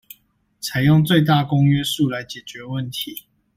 採用最大公約數來解決問題